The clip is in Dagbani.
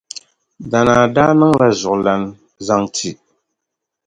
Danaa daa niŋ la zuɣulana zaŋ ti.